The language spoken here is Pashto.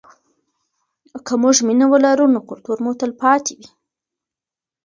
که موږ مینه ولرو نو کلتور مو تلپاتې وي.